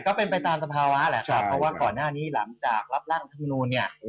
ก็เป็นไปตามสภาวะแหละครับเพราะว่าก่อนหน้านี้หลังจากรับร่างรัฐมนูลเนี่ย